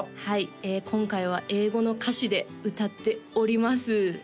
はい今回は英語の歌詞で歌っております